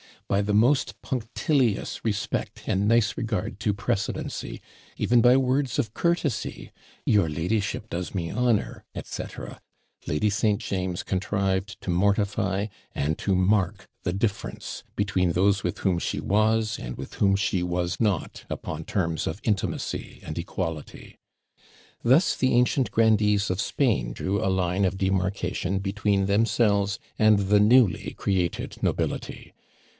By the most punctilious respect and nice regard to precedency, even by words of courtesy 'Your ladyship does me honour,' etc. Lady St. James contrived to mortify and to mark the difference between those with whom she was, and with whom she was not, upon terms of intimacy and equality. Thus the ancient grandees of Spain drew a line of demarcation between themselves and the newly created nobility.